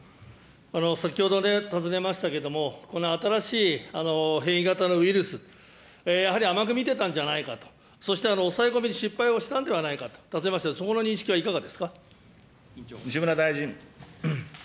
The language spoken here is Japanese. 先ほど、尋ねましたけれども、この新しい変異型のウイルス、やはり甘く見てたんじゃないかと、そして抑え込みに失敗をしたんではないかと尋ねましたが、西村大臣。